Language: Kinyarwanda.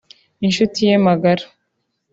inshuti ye magara